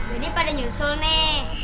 jadi pada nyusul nih